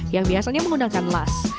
yang biasanya menggunakan las